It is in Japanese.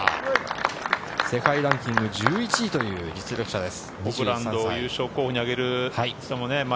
世界ランキング１１位という実力者です。